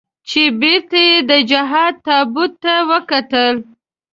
چې بېرته یې د جهاد تابوت ته وکتل.